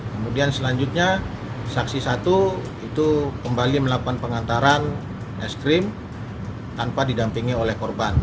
kemudian selanjutnya saksi satu itu kembali melakukan pengantaran es krim tanpa didampingi oleh korban